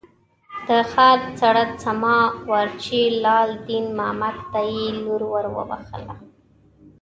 د ښار څړه سما وارچي لال دین مامک ته یې لور ور وبخښله.